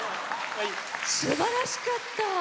すばらしかった！